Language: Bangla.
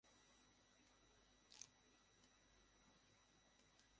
দারুন লাগছে, তাই না?